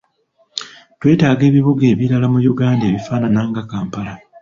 Twetaaga ebibuga ebirala mu Uganda ebifaanana nga Kampala.